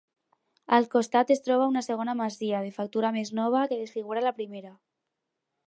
Al costat es troba una segona masia, de factura més nova, que desfigura la primera.